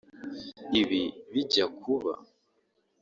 Ibi bijya kuba